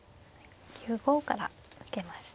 ９五から受けました。